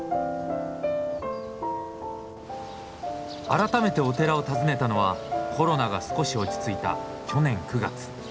改めてお寺を訪ねたのはコロナが少し落ち着いた去年９月。